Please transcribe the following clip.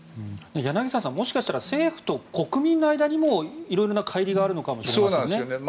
柳澤さん、もしかしたら政府と国民の間にも色々なかい離があるのかもしれませんね。